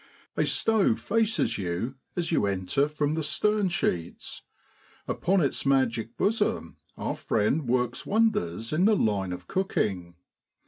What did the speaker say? A stove faces you as you enter from the stern sheets ; upon its magic bosom our friend works wonders in the line of cooking.